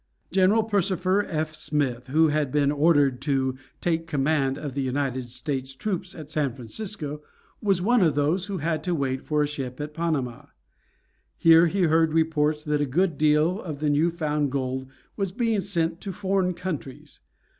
General Persifor F. Smith, who had been ordered to take command of the United States troops at San Francisco, was one of those who had to wait for a ship at Panama. Here he heard reports that a good deal of the new found gold was being sent to foreign countries.